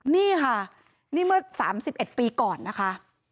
นี่ค่ะนี่เมื่อ๓๑ปีก่อนนะคะ